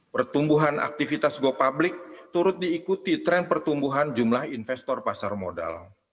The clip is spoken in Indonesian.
pertumbuhan aktivitas go public turut diikuti tren pertumbuhan jumlah investor pasar modal